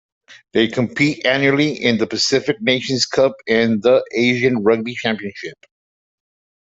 They compete annually in the Pacific Nations Cup and the Asian Rugby Championship.